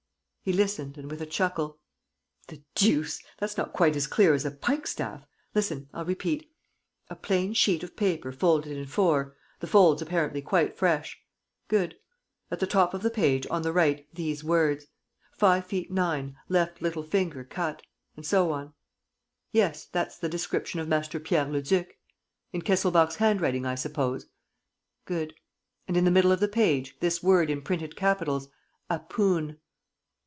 He listened and, with a chuckle: "The deuce! That's not quite as clear as a pikestaff! Listen. I'll repeat: a plain sheet of paper folded in four, the folds apparently quite fresh. ... Good. ... At the top of the page, on the right, these words: 'Five feet nine, left little finger cut.' And so on. ... Yes, that's the description of Master Pierre Leduc. In Kesselbach's handwriting, I suppose? ... Good. ... And, in the middle of the page, this word in printed capitals: 'APOON.'